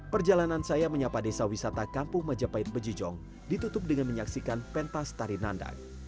perjalanan saya menyapa desa wisata kampung majapahit bejijong ditutup dengan menyaksikan pentas tari nandang